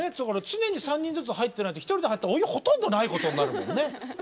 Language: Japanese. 常に３人ずつ入ってないと１人で入ったらお湯ほとんどないことになるもんね。